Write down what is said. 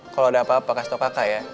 kalau ada apa apa kasih tau kakak ya